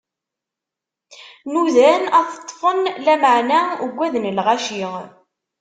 Nudan ad t-ṭṭfen, lameɛna ugaden lɣaci.